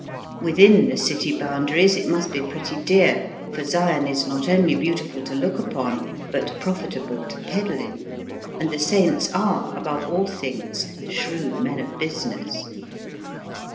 Within the city boundaries it must be pretty dear, for Zion is not only beautiful to look upon, but profitable to peddle in, and the saints are, above all things, shrewd men of business.